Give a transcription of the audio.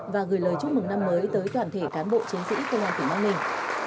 và gửi lời chúc mừng năm mới tới toàn thể cán bộ chiến sĩ công an tỉnh bắc ninh